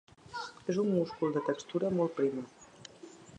És un múscul de textura molt prima.